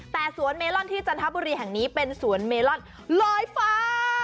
แต่สวนเมลอนที่จันทบุรีแห่งนี้เป็นสวนเมลอนลอยฟ้า